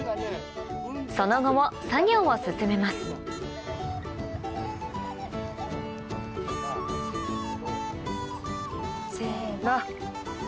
その後も作業を進めますせの。